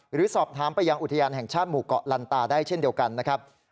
หรือสอบถามไปยังอุทยานแห่งชาติหมู่เกาะลันตาได้เช่นเดียวกันนะครับ